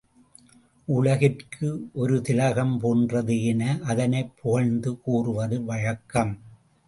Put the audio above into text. உலகிற்கு ஒரு திலகம் போன்றது என அதனைப் புகழ்ந்து கூறுவது வழக்கம்.